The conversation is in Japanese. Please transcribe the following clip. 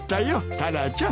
タラちゃん。